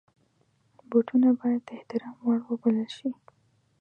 بوټونه باید د احترام وړ وبلل شي.